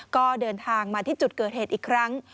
ก็เดินทางมาที่จุดเกิดเหตุอีกครั้ง